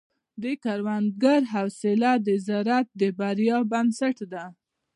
د کروندګر حوصله د زراعت د بریا بنسټ دی.